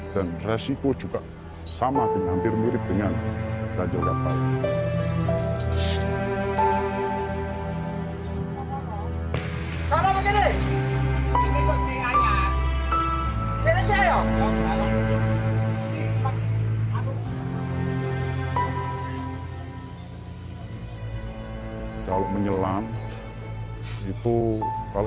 dan resiko juga sama hampir mirip dengan jalan kapal